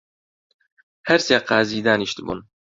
هەر سێ قازی دانیشتبوون